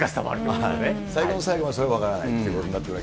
最後の最後までそれは分からないということになってくる。